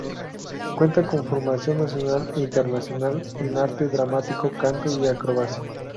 Cuenta con formación nacional e internacional en arte dramático, canto y acrobacia.